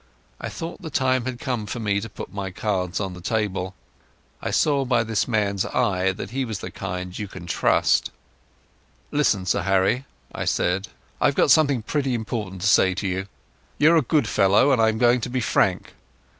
I thought the time had come for me to put my cards on the table. I saw by this man's eye that he was the kind you can trust. "Listen, Sir Harry," I said. "I've something pretty important to say to you. You're a good fellow, and I'm going to be frank.